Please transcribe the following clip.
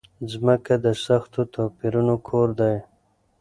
ځمکه د سختو توپيرونو کور دی.